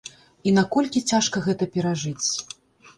І наколькі цяжка гэта перажыць?